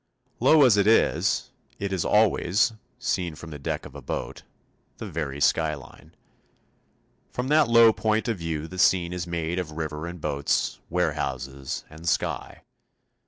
Low as it is, it is always seen from the deck of a boat the very skyline. From that low point of view the scene is made of river and boats, warehouses, and sky.